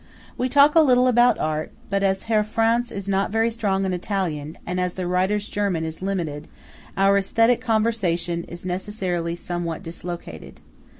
We talk a little about art; but as Herr Franz is not very strong in Italian, and as the writer's German is limited, our Æsthetic conversation is necessarily somewhat dislocated.